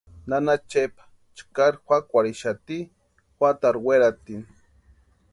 Nana Chepa chkari juakwarhixati juatarhu weratini.